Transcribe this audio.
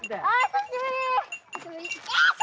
久しぶり！